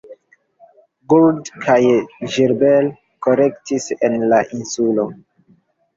Gould kaj Gilbert kolektis en la insulo.